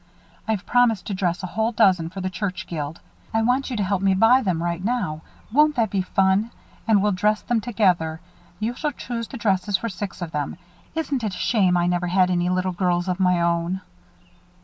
"I've promised to dress a whole dozen for the church guild. I want you to help me buy them right now. Won't that be fun? And we'll dress them together. You shall choose the dresses for six of them. Isn't it a shame I never had any little girls of my own?"